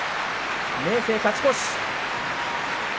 明生、勝ち越し。